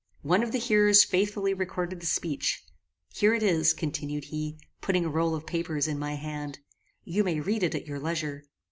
One of the hearers faithfully recorded the speech. There it is," continued he, putting a roll of papers in my hand, "you may read it at your leisure."